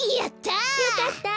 やった！